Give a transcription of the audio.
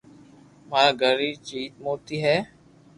مارآ گھر ري چت موتي ھي